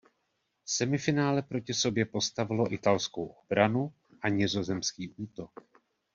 Semifinále proti sobě postavilo italskou obranu a nizozemský útok.